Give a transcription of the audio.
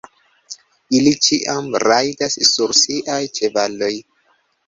Ili ĉiam rajdas sur siaj ĉevaloj!